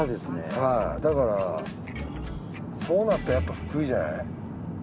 はいだからそうなったらやっぱ福井じゃない？